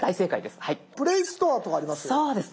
「Ｐｌａｙストア」とかあります。